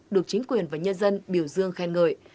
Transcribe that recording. được chính quyền và nhân dân biểu dương khen ngợi